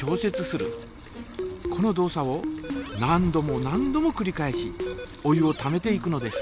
この動作を何度も何度もくり返しお湯をためていくのです。